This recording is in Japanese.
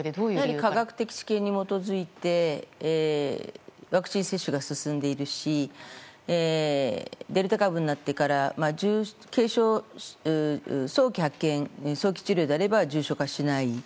科学的知見に基づいてワクチン接種が進んでいるしデルタ株になってから早期発見、早期治療であれば重症化しない。